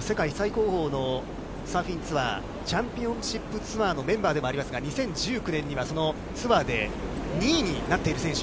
世界最高峰のサーフィンツアー、チャンピオンシップツアーのメンバーでもありますが、２０１９年には、そのツアーで２位になっている選手。